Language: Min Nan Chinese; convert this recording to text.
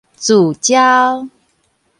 聚焦